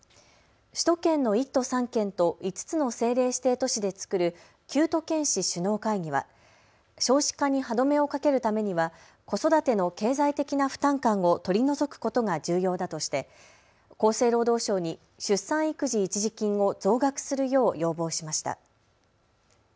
首都圏の１都３県と５つの政令指定都市で作る九都県市首脳会議は少子化に歯止めをかけるためには子育ての経済的な負担感を取り除くことが重要だとして厚生労働省に出産育児一時金を増額するよう要望しました。